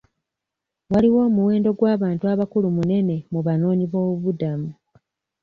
Waliwo omuwendo gw'abantu abakulu munene mu banoonyi b'obubuddamu.